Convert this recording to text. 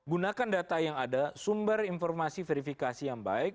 gunakan data yang ada sumber informasi verifikasi yang baik